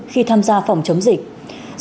khi tham gia phòng chống dịch